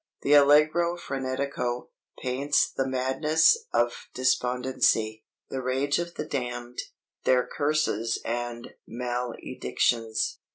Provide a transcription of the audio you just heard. The Allegro frenetico paints the madness of despondency, the rage of the damned, their curses and maledictions.